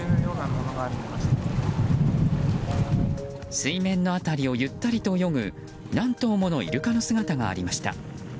水面の辺りをゆったりと泳ぐ何頭ものイルカの姿がありました。